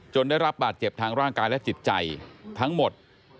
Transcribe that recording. ได้รับบาดเจ็บทางร่างกายและจิตใจทั้งหมด